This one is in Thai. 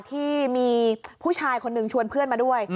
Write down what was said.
ที่มีผู้ชายคนหนึ่งชวนเพื่อนมาด้วย